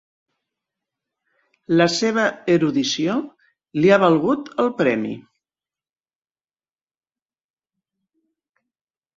La seva erudició li ha valgut el premi.